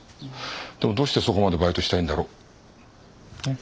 でもどうしてそこまでバイトしたいんだろう？ね？